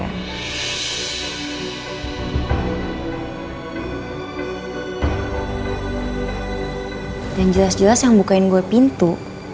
yang jelas jelas yang bukain gue pintu